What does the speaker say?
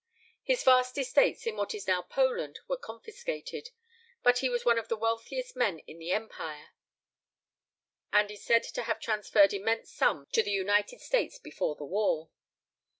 His vast estates in what is now Poland were confiscated, but he was one of the wealthiest men in the Empire and is said to have transferred immense sums to the United States before the war."